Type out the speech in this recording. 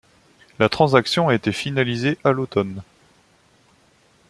La transaction a été finalisée à l'automne.